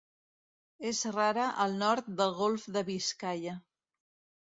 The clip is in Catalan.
És rara al nord del Golf de Biscaia.